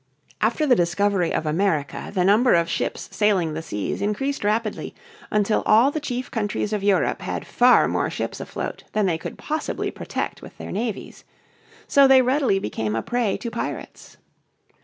After the discovery of America, the number of ships sailing the seas increased rapidly, until all the chief countries of Europe had far more ships afloat than they could possibly protect with their navies. So they readily became a prey to pirates.